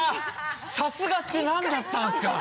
「さすが」って何だったんですか？